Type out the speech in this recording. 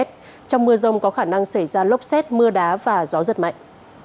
trong mưa rông có khả năng xảy ra lốc xét mưa đá và gió giật mạnh